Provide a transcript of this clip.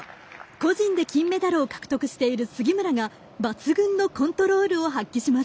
個人で金メダルを獲得している杉村が抜群のコントロールを発揮します。